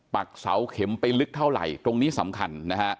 เสาเข็มไปลึกเท่าไหร่ตรงนี้สำคัญนะฮะ